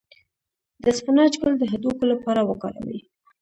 د اسفناج ګل د هډوکو لپاره وکاروئ